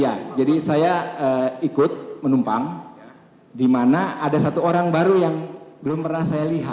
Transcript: ya jadi saya ikut menumpang di mana ada satu orang baru yang belum pernah saya lihat